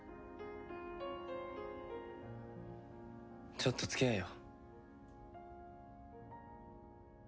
ちょっと付き合えよ。